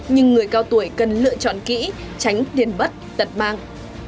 nhưng người cao tuổi cần lựa chọn kỹ tránh điền bất tật mang